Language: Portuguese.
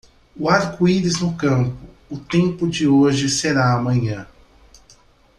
O arco-íris no campo, o tempo de hoje será amanhã.